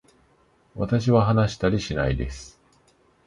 私は話したりないです